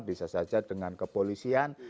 bisa saja dengan kepolisian